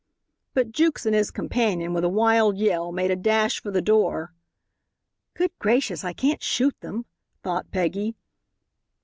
But Jukes and his companion, with a wild yell, made a dash for the door. "Good gracious, I can't shoot them," thought Peggy.